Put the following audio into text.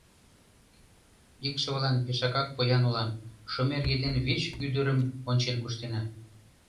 Икшывылан пешакак поян улам: шым эрге ден вич ӱдырым ончен куштена...